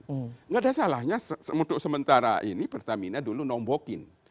tidak ada salahnya untuk sementara ini pertamina dulu nombokin